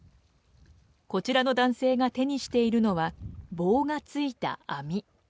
こちらの男性が手にしているのは、棒がついた網。